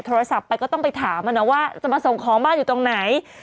โทรศัพท์ไปก็ต้องไปถามว่าจะมาส่งของบ้านอยู่ตรงไหน